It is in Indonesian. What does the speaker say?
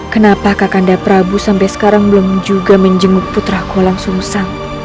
kenapa kanda prabu sampai sekarang belum juga menjenguk putraku walang sung sang